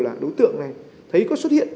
là đối tượng này thấy có xuất hiện